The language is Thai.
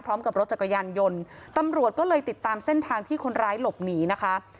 พร้อมกับรถจักรยานยนต์ตำรวจก็เลยติดตามเส้นทางที่คนร้ายหลบหนีนะคะ